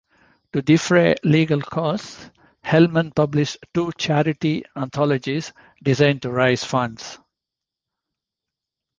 To defray legal costs, Hellman published two charity anthologies designed to raise funds.